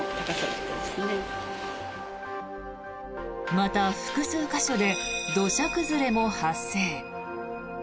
また、複数箇所で土砂崩れも発生。